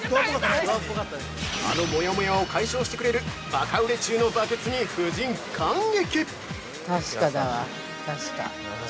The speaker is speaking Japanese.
あのもやもやを解消してくれるバカ売れ中のバケツに夫人感激！